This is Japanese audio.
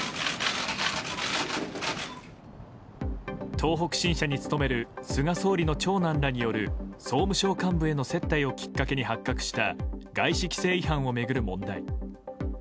東北新社に勤める菅総理の長男らによる総務省幹部への接待をきっかけに発覚した外資規制違反を巡る問題。